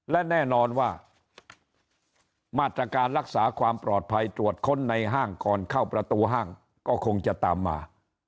และแน่นอนว่ามาตรการรักษาความปลอดภัยตรวจค้นในห้างก่อนเข้าประตูห้างก็คงจะตามมา